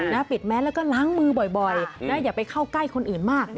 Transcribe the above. ปิดแมสแล้วก็ล้างมือบ่อยนะอย่าไปเข้าใกล้คนอื่นมาก